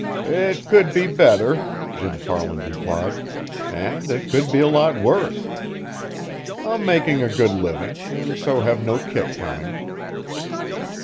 "It could be better," Jim Farland replied, "and it could be a lot worse. I'm making a good living, and so have no kick coming."